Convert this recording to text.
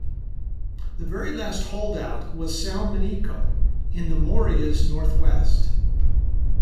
The very last holdout was Salmeniko, in the Morea's northwest.